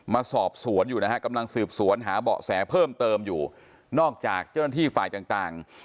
มาสอบสวนอยู่นะฮะกำลังสืบสวนหาเบาะแสเพิ่มเติมอยู่นอกจากเจ้าหน้าที่ฝ่ายต่างต่าง